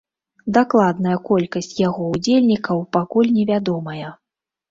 Дакладная колькасць яго ўдзельнікаў пакуль не вядомая.